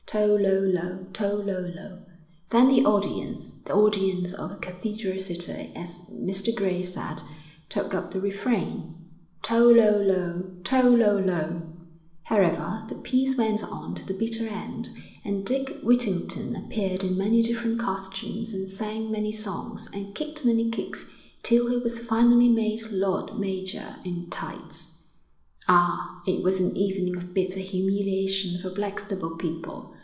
_ Tol, lol, lol, Tol, lol, lol. Then the audience, the audience of a cathedral city, as Mr Gray said, took up the refrain, Tol, lol, lol, Tol, lol, lol. However, the piece went on to the bitter end, and Dick Whittington appeared in many different costumes and sang many songs, and kicked many kicks, till he was finally made Lord Mayor in tights. Ah, it was an evening of bitter humiliation for Blackstable people.